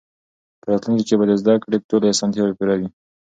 په راتلونکي کې به د زده کړې ټولې اسانتیاوې پوره وي.